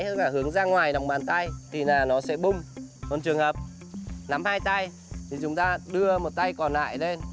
hay là hướng ra ngoài đọc bàn tay thì là nó sẽ bùm còn trường hợp nắm hai tay thì chúng ta đưa một tay còn lại lên